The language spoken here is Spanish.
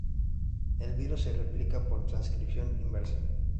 El virus se replica por transcripción inversa.